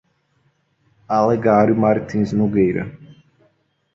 Alegario Martins Nogueira